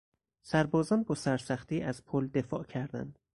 سربازان با سرسختی از پل دفاع کردند.